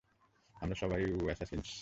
আমরা সবাই উ অ্যাসাসিনস।